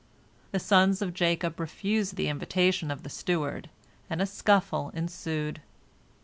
The sons of Jacob refused the invitation of the steward, and a scuffle ensued.